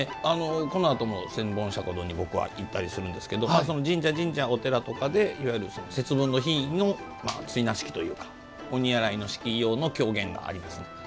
このあとも千本釈迦堂に僕は行ったりするんですけどその神社、お寺とかで節分の日の追儺式というか鬼やらいの式の狂言があります。